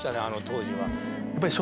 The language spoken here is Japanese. あの当時は。